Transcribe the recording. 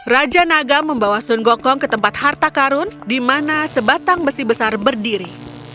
raja naga membawa sun gokong ke tempat harta karun di mana sebatang besi besar berdiri